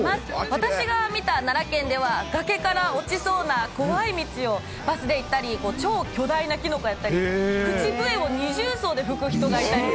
私が見た奈良県では崖から落ちそうな怖い道をバスで行ったり、超巨大なキノコだったり、口笛を二重奏で吹く人がいたり。